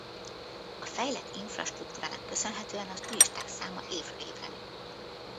A fejlett infrastruktúrának köszönhetően a turisták száma évről évre nő.